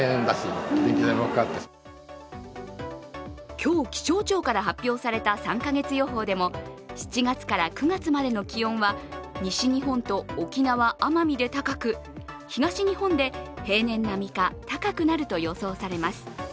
今日、気象庁から発表された３か月予報も７月から９月までの気温は西日本と沖縄、奄美で高く東日本で平年並みか高くなると予想されます。